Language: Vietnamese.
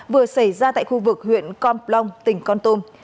vừa xảy ra tại khu vực huyện con plong tỉnh con tum